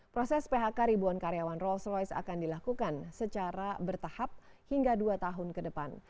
proses phk ribuan karyawan rolls royce akan dilakukan secara bertahap hingga dua tahun ke depan